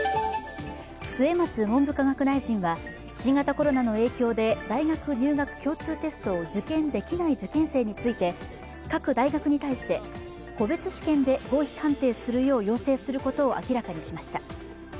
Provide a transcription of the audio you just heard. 末松文部科学大臣は新型コロナの影響で大学入学共通テストを受験できない受験生について各大学に対して、個別試験で合否判定するよう要請することを明らかにしました。